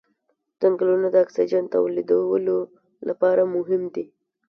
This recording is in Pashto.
ځنګلونه د اکسیجن تولیدولو لپاره مهم دي